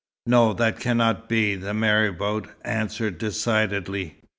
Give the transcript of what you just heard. "No, that cannot be," the marabout answered decidedly.